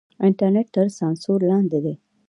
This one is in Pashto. انټرنېټ تر سانسور لاندې دی.